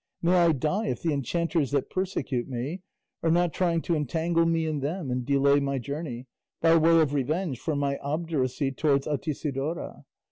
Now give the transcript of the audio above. May I die if the enchanters that persecute me are not trying to entangle me in them and delay my journey, by way of revenge for my obduracy towards Altisidora.